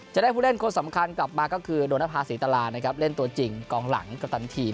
จะได้ผู้เล่นคนสำคัญกลับมาก็คือโดนภาษีตรานะครับเล่นตัวจริงกองหลังกัปตันทีม